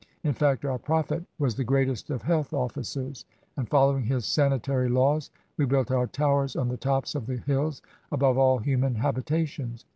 In fact, our Prophet was the greatest of health officers, and following his sanitary laws, we built our Towers on the tops of the hills, above all human habitations.